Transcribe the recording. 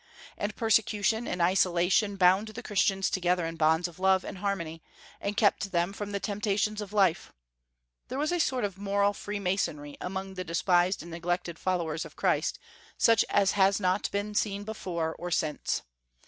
And persecution and isolation bound the Christians together in bonds of love and harmony, and kept them from the temptations of life There was a sort of moral Freemasonry among the despised and neglected followers of Christ, such as has not been seen before or since.